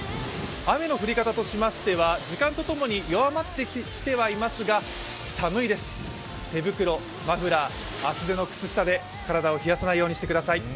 雨の降り方としましては時間とともに弱まってきてはいますが寒いです、手袋、マフラー厚手の靴下で体を冷やさないようにしてください。